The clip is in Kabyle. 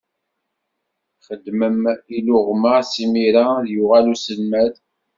Xedmem iluɣma simira ad d-yuɣal uselmad.